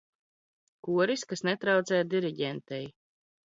Koris, kas netrauc? diri?entei.